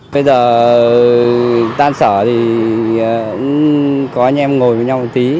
bây giờ tan sở thì cũng có anh em ngồi với nhau một tí